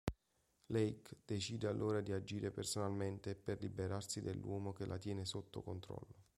Leigh decide allora di agire personalmente per liberarsi dell'uomo che la tiene sotto controllo.